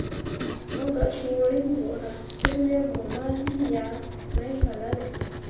Mo gah sũũ riŋ borah tǝl wel bo ma lii yah mai galale.